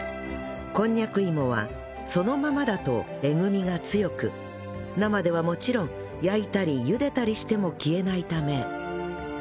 こんにゃく芋はそのままだとえぐみが強く生ではもちろん焼いたり茹でたりしても消えないため